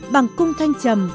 bằng cung thanh chầm